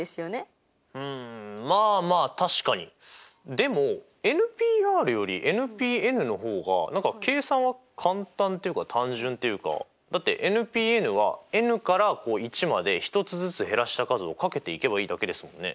でもｎＰｒよりｎＰｎの方が何か計算は簡単っていうか単純っていうかだってｎＰｎはｎから１まで１つずつ減らした数を掛けていけばいいだけですもんね。